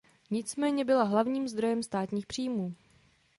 Nicméně byla hlavním zdrojem státních příjmů.